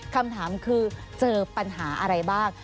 คำถามคือเจอปัญหาอะไรบ้าง